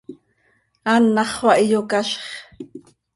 Anàxö xah iyocazx.